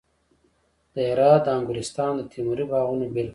د هرات د انګورستان د تیموري باغونو بېلګه ده